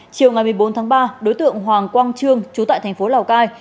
chiều ngày một mươi bốn tháng ba đối tượng hoàng quang trương chú tại thành phố lào cai